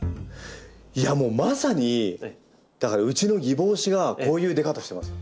いやもうまさにだからうちのギボウシがこういう出方してますよ。